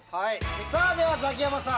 ではザキヤマさん